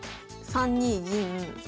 ３二銀。